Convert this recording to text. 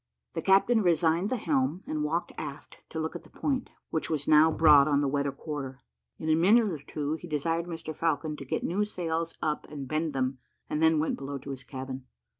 The captain resigned the helm, and walked aft to look at the point, which was now broad on the weather quarter. In a minute or two, he desired Mr Falcon to get new sails up and bend them, and then went below to his cabin.